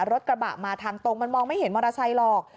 รถกระบะมาทางตรงมันมองไม่เห็นมอเตอร์ไซค์หรอก